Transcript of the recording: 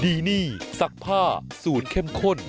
ดีนี่ซักผ้าสูตรเข้มข้น